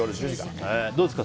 どうですか？